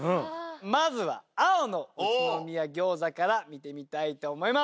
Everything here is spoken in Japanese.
まずは青の宇都宮餃子から見てみたいと思います。